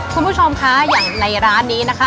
คุณผู้ชมคะอย่างในร้านนี้นะคะ